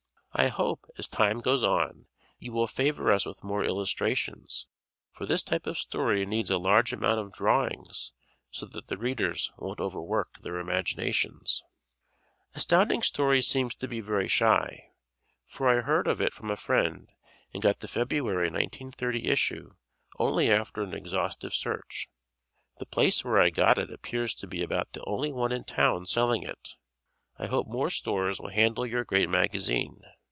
I hope, as time goes on, you will favor us with more illustrations, for this type of story needs a large amount of drawings so that the readers won't overwork their imaginations. Astounding Stories seems to be very shy, for I heard of it from a friend and got the February, 1930 issue only after an exhaustive search. The place where I got it appears to be about the only one in town selling it. I hope more stores will handle your great magazine.